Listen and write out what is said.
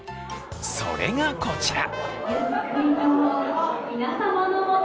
それがこちら。